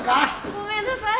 ごめんなさい。